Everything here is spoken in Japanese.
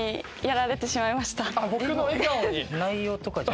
僕の笑顔に？